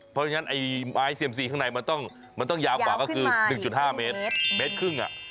เพราะฉะนั้นไอ้ไม้เซียมซีข้างในมันต้องยาวกว่าก็คือ๑๕เมตรครึ่ง